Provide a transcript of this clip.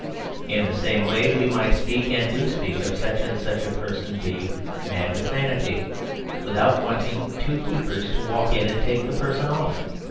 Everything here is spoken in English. In the same way we might speak, and do speak, of such and such a person being "mad with vanity" without wanting two keepers to walk in and take the person off.